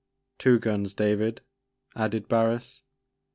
Two guns, David," added Barris.